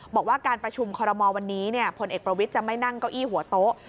บอกว่าการประชุมคอรมอลวันนี้พลเอกประวิทย์จะไม่นั่งเก้าอี้หัวโต๊ะ